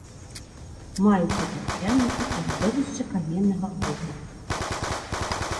Маюцца тарфянікі і радовішчы каменнага вугалю.